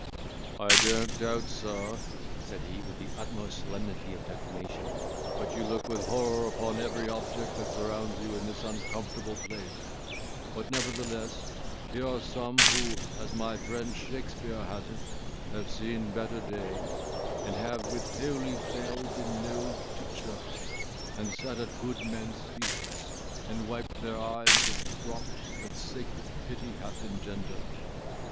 "I don't doubt, sir," said he, with the utmost solemnity of declamation, "but you look with horror upon every object that surrounds you in this uncomfortable place; but, nevertheless, here are some, who, as my friend Shakespeare has it, have seen better days, and have with holy bell been knolled to church; and sat at good men's feasts, and wiped their eyes of drops that sacred pity hath engendered.